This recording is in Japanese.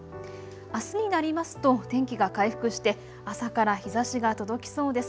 あすになりますと天気が回復して朝から日ざしが届きそうです。